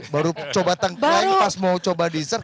baru coba tangklaig pas mau coba dessert